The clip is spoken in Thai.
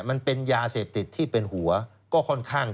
มันเป็นยาเสพติดที่เป็นหัวก็ค่อนข้าง